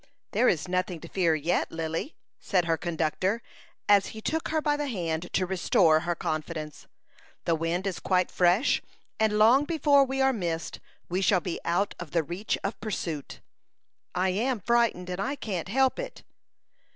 "There is nothing to fear yet, Lily," said her conductor, as he took her by the hand to restore her confidence. "The wind is quite fresh, and long before we are missed we shall be out of the reach of pursuit." "I am frightened, and I can't help it."